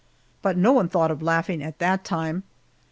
But no one thought of laughing at that time.